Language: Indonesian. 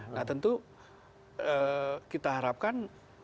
nah tentu kita harapkan